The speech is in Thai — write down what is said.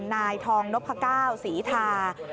นายทองนพสีทา